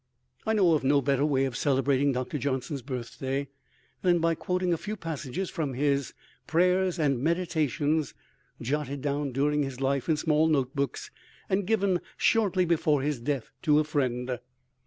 I know no better way of celebrating Doctor Johnson's birthday than by quoting a few passages from his "Prayers and Meditations," jotted down during his life in small note books and given shortly before his death to a friend.